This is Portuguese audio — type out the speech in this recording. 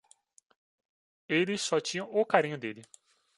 Ele só tinha o carinho dele.